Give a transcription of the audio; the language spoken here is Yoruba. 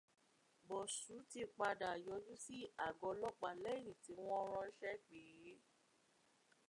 Bọ̀sú ti padà yọjú sí àgọ́ ọlọ́pàá lẹ́yìn tí wọ́n ráṣẹ́ pè é.